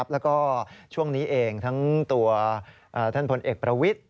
แล้วก็ช่วงนี้เองทั้งตัวท่านพลเอกประวิทธิ